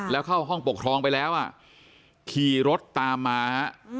แล้วเข้าห้องปกครองไปแล้วขี่รถตามมา